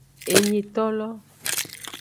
Enyitolo.